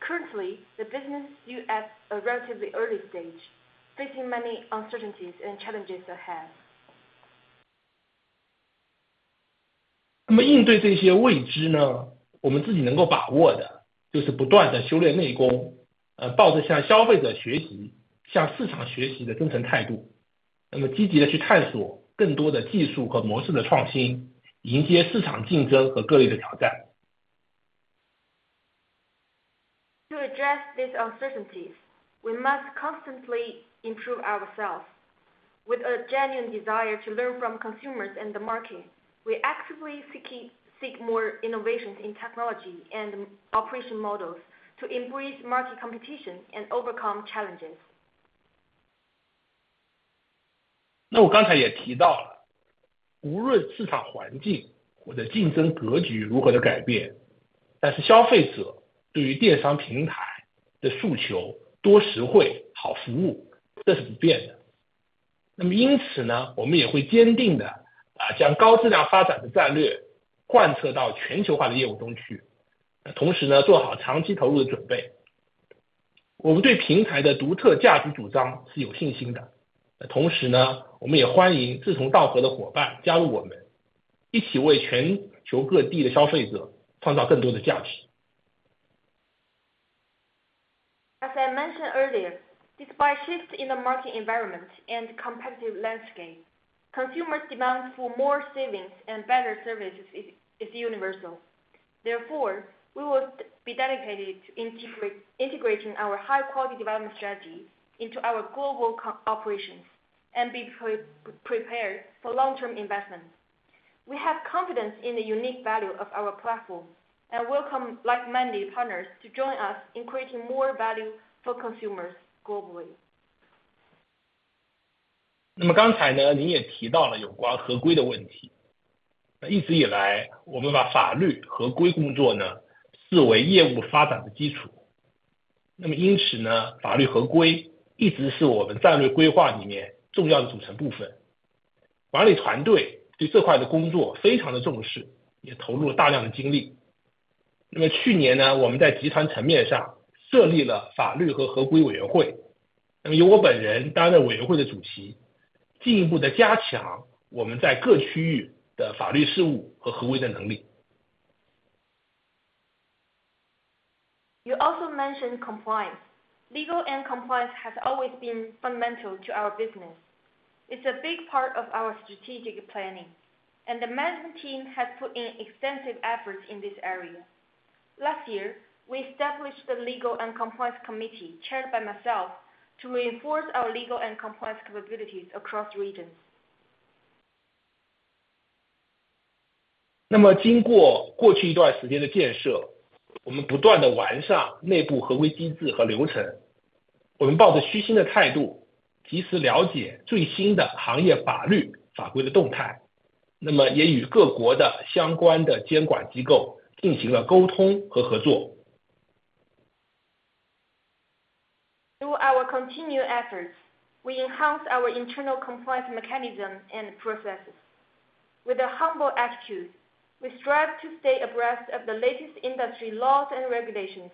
Currently, the business is at a relatively early stage, facing many uncertainties and challenges ahead. 应对这些未知呢，我们自己能够把握的就是不断地修炼内功，抱着向消费者学习、向市场学习的真诚态度。积极地去探索更多的技术和模式的创新，迎接市场竞争和各类的挑战。To address these uncertainties, we must constantly improve ourselves. With a genuine desire to learn from consumers and the market, we actively seek more innovations in technology and operation models to embrace market competition and overcome challenges. 我刚才也提到了，无论市场环境或者竞争格局如何的改变，但是消费者对于电商平台的诉求、多实惠、好服务，这是不变的。因此，我们也会坚定地将高质量发展的战略贯彻到全球化的业务中去，同时做好长期投入的准备。我们对平台的独特价值主张是有信心的，同时我们也欢迎志同道合的伙伴加入我们，一起为全球各地的消费者创造更多的价值。As I mentioned earlier, despite shifts in the market environment and competitive landscape, consumers' demand for more savings and better services is universal. Therefore, we will be dedicated to integrating our high-quality development strategy into our global operations and be prepared for long-term investment. We have confidence in the unique value of our platform and welcome like-minded partners to join us in creating more value for consumers globally. You also mentioned compliance. Legal and compliance have always been fundamental to our business. It's a big part of our strategic planning, and the management team has put in extensive efforts in this area. Last year, we established the Legal and Compliance Committee, chaired by myself, to reinforce our legal and compliance capabilities across regions. 经过过去一段时间的建设，我们不断地完善内部合规机制和流程。我们抱着虚心的态度，及时了解最新的行业法律法规的动态，也与各国的相关监管机构进行了沟通和合作。Through our continued efforts, we enhance our internal compliance mechanisms and processes. With a humble attitude, we strive to stay abreast of the latest industry laws and regulations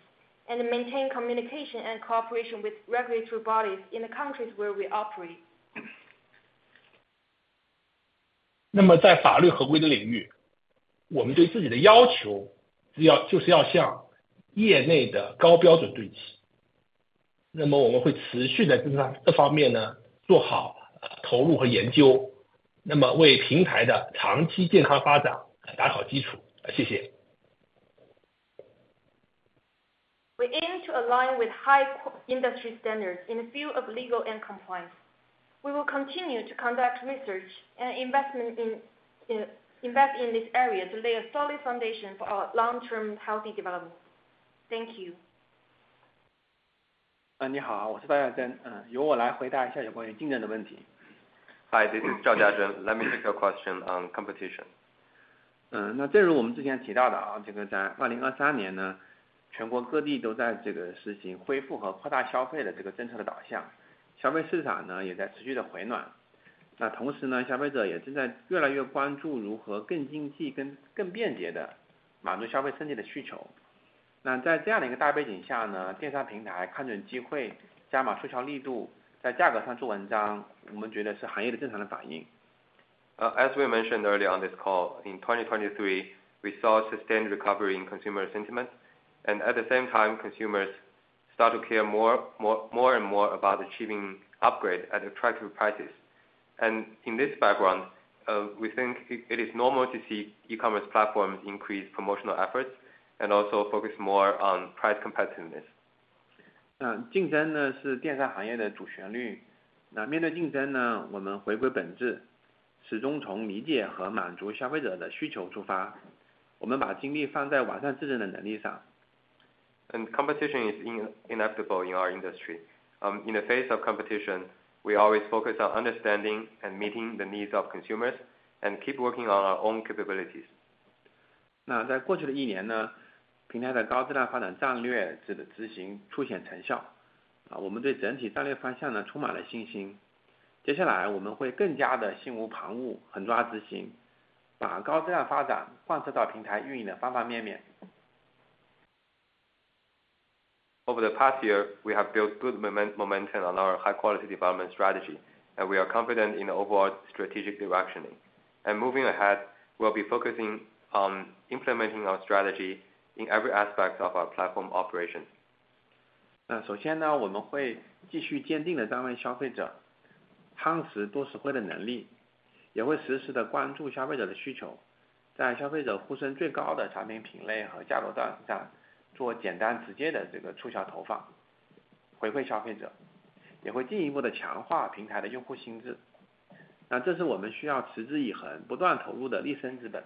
and maintain communication and cooperation with regulatory bodies in the countries where we operate. 在法律合规的领域，我们对自己的要求就是要向业内的高标准对齐。我们会持续在这方面做好投入和研究，为平台的长期健康发展打好基础。谢谢。We aim to align with high industry standards in the field of legal and compliance. We will continue to conduct research and invest in this area to lay a solid foundation for our long-term healthy development. Thank you. 你好，我是赵嘉真，由我来回答一下有关于竞争的问题。Hi, this is Zhao Jiazhen. Let me take your question on competition. 正如我们之前提到的，在2023年全国各地都在实行恢复和扩大消费的政策的导向，消费市场也在持续地回暖。同时，消费者也正在越来越关注如何更经济更便捷地满足消费身体的需求。在这样的一个大背景下，电商平台看准机会，加码促销力度，在价格上做文章，我们觉得是行业的正常反应。As we mentioned earlier on this call, in 2023 we saw a sustained recovery in consumer sentiment, and at the same time consumers started to care more and more about achieving upgrades at attractive prices. In this background, we think it is normal to see e-commerce platforms increase promotional efforts and also focus more on price competitiveness. 竞争是电商行业的主旋律。面对竞争，我们回归本质，始终从理解和满足消费者的需求出发。我们把精力放在完善自身的能力上。Competition is inevitable in our industry. In the face of competition, we always focus on understanding and meeting the needs of consumers and keep working on our own capabilities. 在过去的一年，平台的高质量发展战略执行出现成效。我们对整体战略方向充满了信心。接下来，我们会更加的心无旁骛，狠抓执行，把高质量发展贯彻到平台运营的方方面面。Over the past year, we have built good momentum on our high-quality development strategy, and we are confident in the overall strategic direction. Moving ahead, we will be focusing on implementing our strategy in every aspect of our platform operations. 首先，我们会继续坚定地站为消费者，夯实多实惠的能力，也会实时地关注消费者的需求，在消费者呼声最高的产品品类和价格段上做简单直接的促销投放，回馈消费者，也会进一步地强化平台的用户心智。这是我们需要持之以恒、不断投入的立身之本。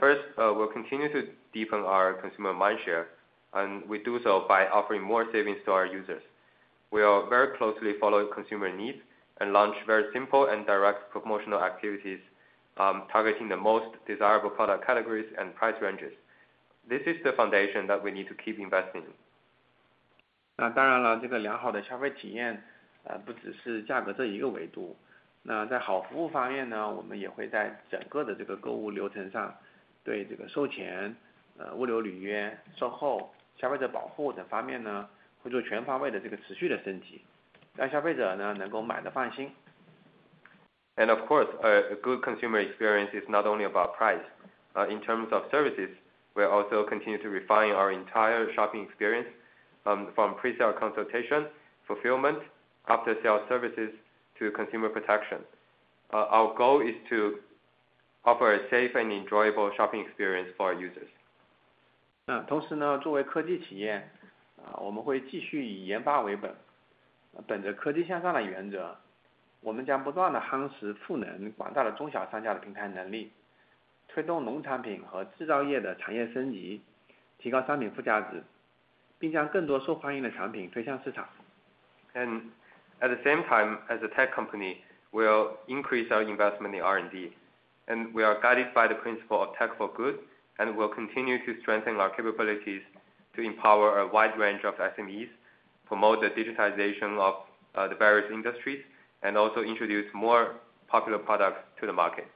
First, we'll continue to deepen our consumer mindshare, and we do so by offering more savings to our users. We'll very closely follow consumer needs and launch very simple and direct promotional activities targeting the most desirable product categories and price ranges. This is the foundation that we need to keep investing in. 当然了，良好的消费体验不只是价格这一个维度。在好服务方面，我们也会在整个的购物流程上对售前、物流履约、售后、消费者保护等方面会做全方位的持续的升级，让消费者能够买得放心。Of course, a good consumer experience is not only about price. In terms of services, we also continue to refine our entire shopping experience from presale consultation, fulfillment, after-sale services, to consumer protection. Our goal is to offer a safe and enjoyable shopping experience for our users. 同时，作为科技企业，我们会继续以研发为本，本着科技向上的原则。我们将不断地夯实赋能广大的中小商家的平台能力，推动农产品和制造业的产业升级，提高商品附加值，并将更多受欢迎的产品推向市场。At the same time, as a tech company, we'll increase our investment in R&D, and we are guided by the principle of tech for good, and we'll continue to strengthen our capabilities to empower a wide range of SMEs, promote the digitization of the various industries, and also introduce more popular products to the market.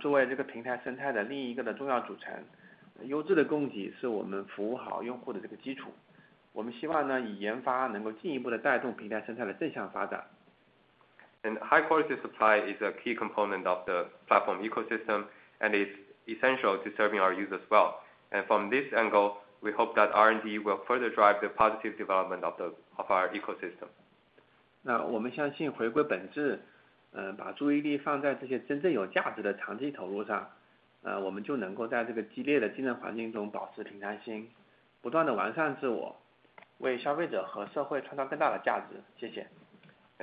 作为平台生态的另一个重要组成，优质的供给是我们服务好用户的基础。我们希望以研发能够进一步地带动平台生态的正向发展。High-quality supply is a key component of the platform ecosystem, and it's essential to serving our users well. From this angle, we hope that R&D will further drive the positive development of our ecosystem.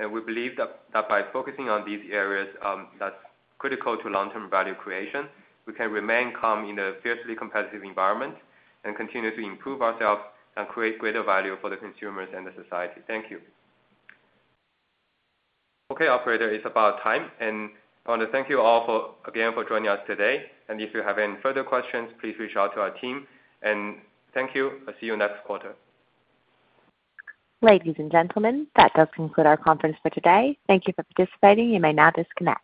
我们相信回归本质，把注意力放在这些真正有价值的长期投入上，我们就能够在激烈的竞争环境中保持平常心，不断地完善自我，为消费者和社会创造更大的价值。谢谢。We believe that by focusing on these areas that are critical to long-term value creation, we can remain calm in a fiercely competitive environment and continue to improve ourselves and create greater value for the consumers and the society. Thank you. Okay, operator, it's about time. I want to thank you all again for joining us today. If you have any further questions, please reach out to our team. Thank you, and see you next quarter. Ladies and gentlemen, that does conclude our conference for today. Thank you for participating. You may now disconnect.